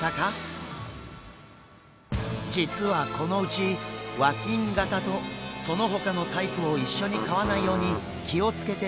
実はこのうち和金型とそのほかのタイプを一緒に飼わないように気を付けてほしいんです。